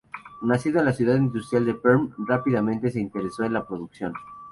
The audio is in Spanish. Nacido en la ciudad industrial de Perm, rápidamente se interesó en la producción.